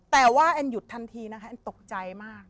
แต่ว่ายุดทันทีนะคะตกใจมาก